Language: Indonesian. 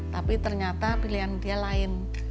tapi ternyata pilihan dia lain